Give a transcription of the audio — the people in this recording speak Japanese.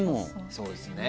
そうですね。